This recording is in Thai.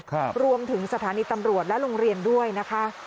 ครับรวมถึงสถานีตำรวจและโรงเรียนด้วยนะคะ